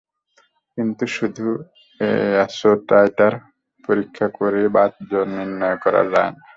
কিন্তু শুধু ASO titre পরীক্ষা করেই বাতজ্বর নির্ণয় করা যায় না।